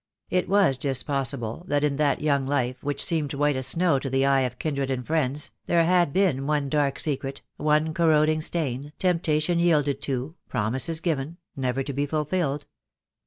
It was just possible that in that young life, which seemed white as snow to the eye of kindred and friends, there had been one dark secret, one corroding stain, temptation yielded to, promises given — never to be fulfilled.